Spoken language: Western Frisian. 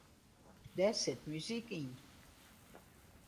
Dêr sit muzyk yn.